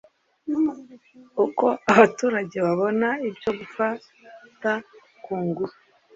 uko abaturage babona ibyo gufata ku ngufu